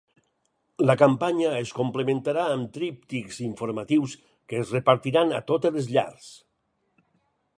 La campanya es complementarà amb tríptics informatius que es repartiran a totes les llars.